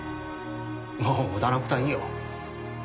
もう無駄な事はいいよ。